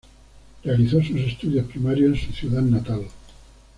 Realizó sus estudios primarios en su ciudad natal.